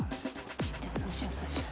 じゃあそうしようそうしよう。